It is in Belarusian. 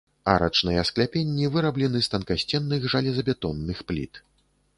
Арачныя скляпенні выраблены з танкасценных жалезабетонных пліт.